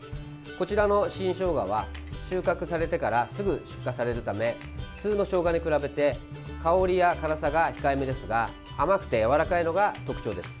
こちらの新ショウガは収穫されてからすぐ出荷されるため普通のショウガに比べて香りや辛さが控えめですが甘くてやわらかいのが特徴です。